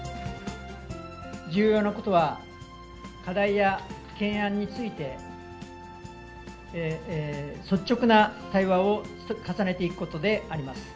重要なことは課題や懸案について、率直な対話を重ねていくことであります。